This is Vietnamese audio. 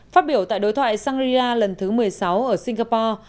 phát biểu tại đối thoại sang lê la lần thứ một mươi sáu ở singapore